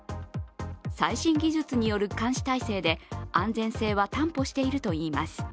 最新技術による監視体制で安全性は担保しているといいます。